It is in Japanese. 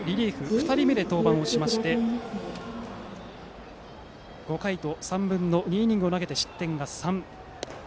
２人目で登板しまして５回と３分の２イニング投げて失点３。